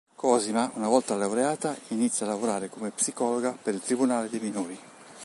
Cosima, una volta laureata, inizia a lavorare come psicologa per il Tribunale dei Minori.